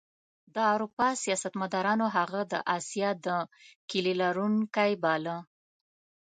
د اروپا سیاستمدارانو هغه د اسیا د کیلي لرونکی باله.